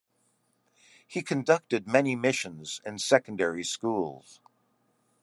He conducted many missions in secondary schools.